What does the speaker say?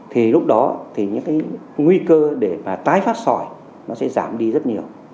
thì lúc đó thì những cái nguy cơ để mà tái phát sỏi nó sẽ giảm đi rất nhiều